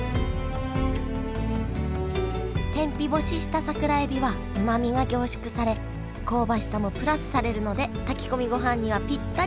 天日干しした桜えびはうまみが凝縮され香ばしさもプラスされるので炊き込みごはんにはぴったり！